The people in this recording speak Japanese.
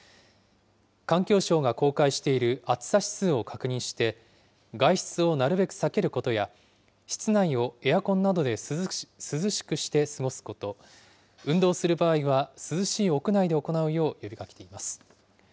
環境省が公開している暑さ指数を確認して、外出をなるべく避けることや、室内をエアコンなどで涼しくして過ごすこと、運動する場合は涼しい屋内で行うよう呼びかけています。